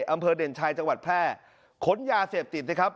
อำเภอเด่นชัยจังหวัดแพร่ขนยาเสพติดนะครับ